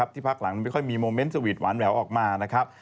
ที่พักหลังไม่ค่อยมีโมเมนต์สวีทหวานแววออกมานะครับ